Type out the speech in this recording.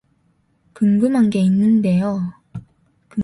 궁금한 게 있는데요.